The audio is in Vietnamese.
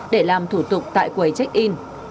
để làm thủ tục tại quay check in